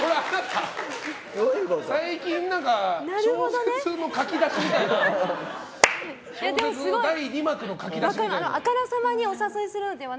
最近、小説の書き出しみたいな。